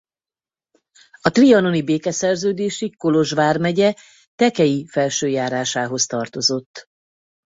A trianoni békeszerződésig Kolozs vármegye Tekei felső járásához tartozott.